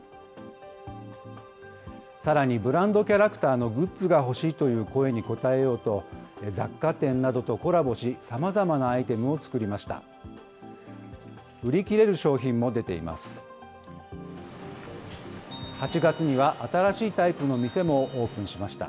さらにブランドキャラクターのグッズが欲しいという声に応えようと、雑貨店などとコラボし、さまざまなアイテムを作りました。